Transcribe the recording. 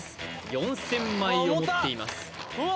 ４０００枚を持っています